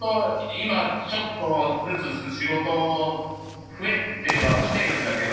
今ちょっとずつ仕事増えてはきてるんだけど。